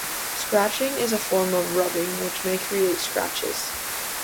Scratching is a form of rubbing which may create scratches.